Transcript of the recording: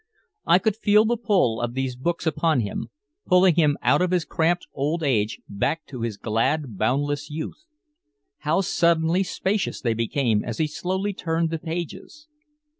I could feel the pull of these books upon him, pulling him out of his cramped old age back to his glad boundless youth. How suddenly spacious they became as he slowly turned the pages.